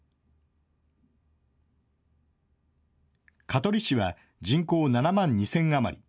香取市は人口７万２０００余り。